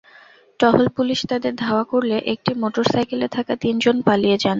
টহল পুলিশ তাঁদের ধাওয়া করলে একটি মোটরসাইকেলে থাকা তিনজন পালিয়ে যান।